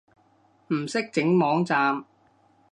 唔識整網站